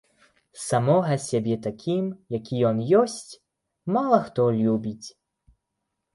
Самога сябе такім, які ён ёсць, мала хто любіць.